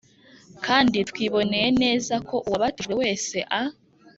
kandi twiboneye neza ko uwabatijwe wese a